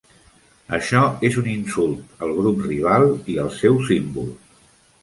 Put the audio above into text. Això és un insult al grup rival i als seus símbols.